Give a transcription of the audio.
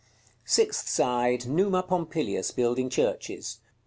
Sixth side. Numa Pompilius building churches.